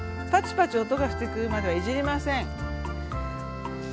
パチパチ音がしてくるまではいじりません。